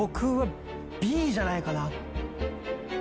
Ｂじゃないかな。